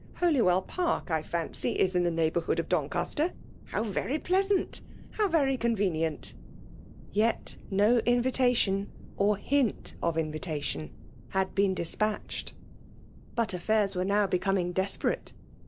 Holywell Park, I fancy, is in the neighbourhood of Doncaster? — How very pleasant ! how very convenient !'* Yet no in vitation, or hint of invitation, had been da jQMitched. But affairs were now becoming desperate.